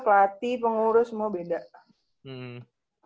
pelatih pengurus semua beda